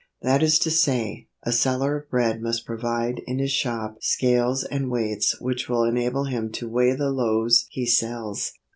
That is to say, a seller of bread must provide in his shop scales and weights which will enable him to weigh the loaves he sells.